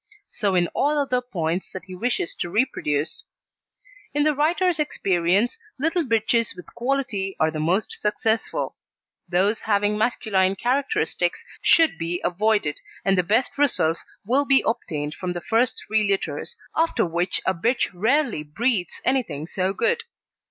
So in all other points that he wishes to reproduce. In the writer's experience, little bitches with quality are the most successful. Those having masculine characteristics should be avoided, and the best results will be obtained from the first three litters, after which a bitch rarely breeds anything so good.